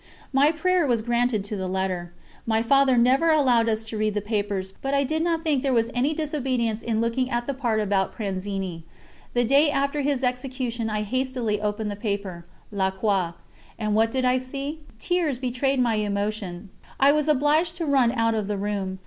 My prayer was granted to the letter. My Father never allowed us to read the papers, but I did not think there was any disobedience in looking at the part about Pranzini. The day after his execution I hastily opened the paper, La Croix, and what did I see? Tears betrayed my emotion; I was obliged to run out of the room.